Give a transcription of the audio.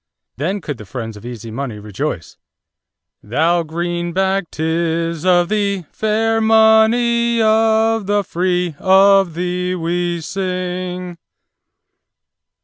Then could the friends of easy money rejoice: "Thou, Greenback, 'tis of thee Fair money of the free, Of thee we sing."